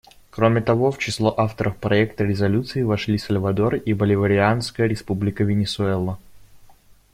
Кроме того, в число авторов проекта резолюции вошли Сальвадор и Боливарианская Республика Венесуэла.